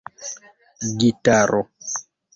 gitaro